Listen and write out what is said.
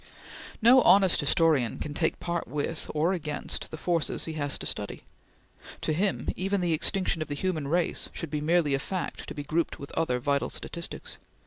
No honest historian can take part with or against the forces he has to study. To him even the extinction of the human race should be merely a fact to be grouped with other vital statistics.